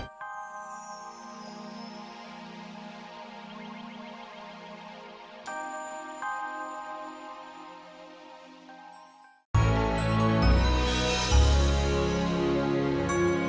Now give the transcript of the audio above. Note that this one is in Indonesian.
kalau tvb guys sih